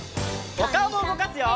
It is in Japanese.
おかおもうごかすよ！